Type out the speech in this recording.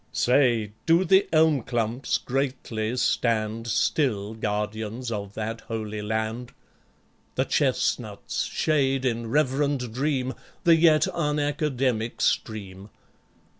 Say, do the elm clumps greatly stand Still guardians of that holy land? The chestnuts shade, in reverend dream, The yet unacademic stream?